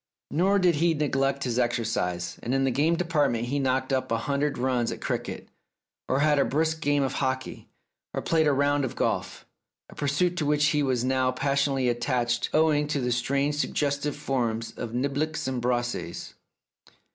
Nor did he neglect his exercise, and in the games department he knocked up a hundred runs at cricket, or had a brisk game of hockey, or played a round of golf, a pursuit to which he was now passionately attached owing to the strange suggestive forms of niblicks and brassies.